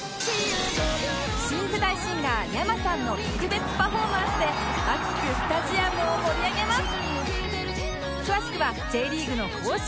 新世代シンガー ｙａｍａ さんの特別パフォーマンスで熱くスタジアムを盛り上げます